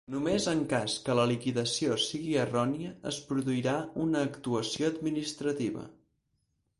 Només en cas que la liquidació sigui errònia es produirà una actuació administrativa.